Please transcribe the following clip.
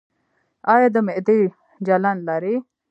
ایا د معدې جلن لرئ؟